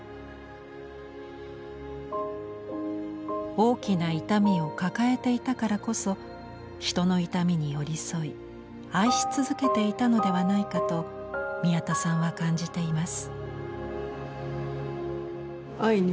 大きな痛みを抱えていたからこそ人の痛みに寄り添い愛し続けていたのではないかと宮田さんは感じています。